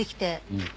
うん。